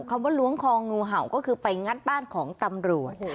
คำว่าล้วงคองงูเห่าก็คือไปงัดบ้านของตำรวจ